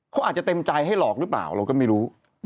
เขาอาจจะเต็มใจให้หลอกหรือเปล่าเราก็ไม่รู้